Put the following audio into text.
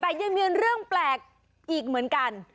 แต่ยังมีเรื่องแปลกอีกเหมือนกัน